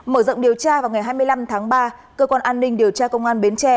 mở rộng điều tra vào ngày hai mươi năm tháng ba cơ quan an ninh điều tra công an bến tre